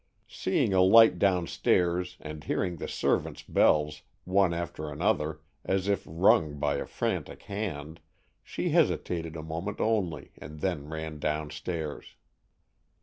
Seeing a light downstairs, and hearing the servants' bells, one after another, as if rung by a frantic hand, she hesitated a moment only, and then ran downstairs.